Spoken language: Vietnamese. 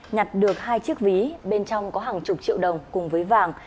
nhặt được hai chiếc ví bên trong có hàng chục triệu đồng cùng với vàng